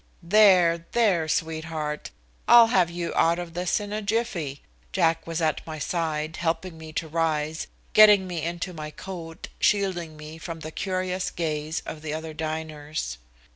"There, there, sweetheart, I'll have you out of this in a jiffy," Jack was at my side, helping me to rise, getting me into my coat, shielding me from the curious gaze of the other diners.